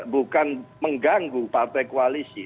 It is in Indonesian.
bukan mengganggu partai koalisi